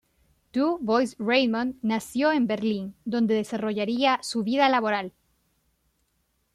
Du Bois-Reymond nació en Berlín, donde desarrollaría su vida laboral.